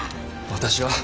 私は。